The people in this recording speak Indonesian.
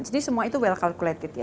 jadi semua itu well calculated ya